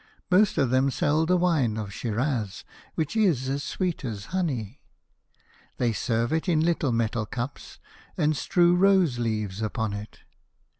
Most of them sell the wine of Schiraz, which is as sweet as honey. They serve it in little metal cups and strew rose leaves upon it.